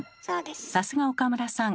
さすが岡村さん